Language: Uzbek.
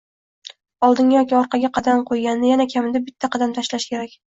Oldinga yoki orqaga qadam qo'yganda, yana kamida bitta qadam tashlash kerak